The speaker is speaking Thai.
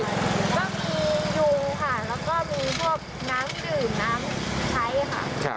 ก็มียูค่ะแล้วก็มีพวกน้ำดื่มน้ำใช้ค่ะ